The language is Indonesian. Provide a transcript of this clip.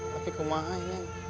tapi kemah aja neng